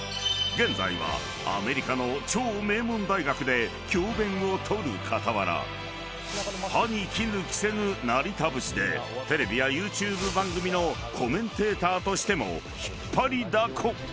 ［現在はアメリカの超名門大学で教鞭を執る傍ら歯に衣着せぬ成田節でテレビやＹｏｕＴｕｂｅ番組のコメンテーターとしても引っ張りだこ］